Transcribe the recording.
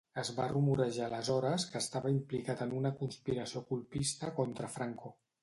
Es va rumorejar aleshores que estava implicat en una conspiració colpista contra Franco.